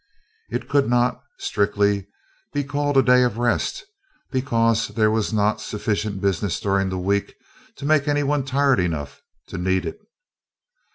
It could not, strictly, be called a Day of Rest, because there was not sufficient business during the week to make any one tired enough to need it.